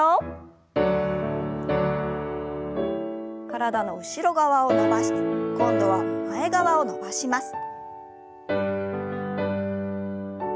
体の後ろ側を伸ばして今度は前側を伸ばします。